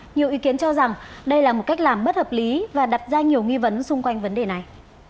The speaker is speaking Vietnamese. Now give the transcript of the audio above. nhiều ý kiến cho rằng đây là một cách làm bất hợp lý và đặt ra nhiều nghi vấn xung quanh vấn đề này